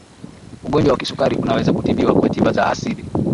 ugonjwa wa kisukari unaweza kutibiwa kwa tiba za asili